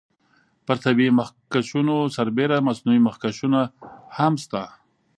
پر طبیعي مخکشونو سربیره مصنوعي مخکشونه هم شته.